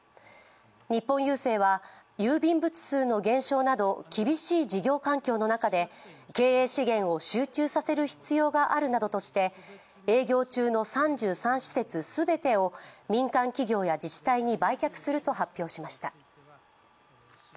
日本郵政は郵便物数の減少など厳しい事業環境の中で経営資源を集中させる必要があるなどとして営業中の３３施設全てを民間企業や自治体に売却すると発表しました。